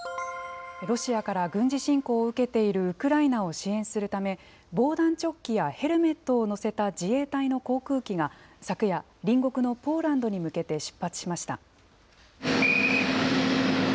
ロシアから軍事侵攻を受けているウクライナを支援するため、防弾チョッキやヘルメットを載せた自衛隊の航空機が、昨夜、隣国のポーランドに向けて出発しました。